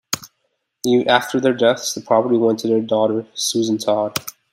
After their deaths, the property went to their daughter, Susan Todd.